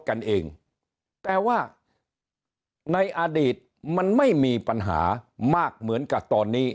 กันเองแต่ว่าในอดีตมันไม่มีปัญหามากเหมือนกับตอนนี้